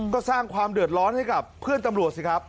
ก็สร้างความเดือดร้อนให้กับเพื่อนตำรวจสิครับ